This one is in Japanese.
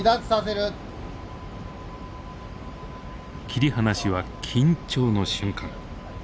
切り離しは緊張の瞬間。